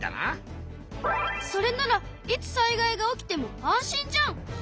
それならいつ災害が起きても安心じゃん！